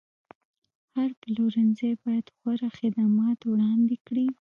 هر پلورنځی باید غوره خدمات وړاندې کړي.